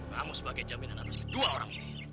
namun sebagai jaminan atas kedua orang ini